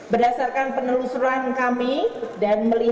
berdasarkan penelusuran kami dan melihat harga barang barang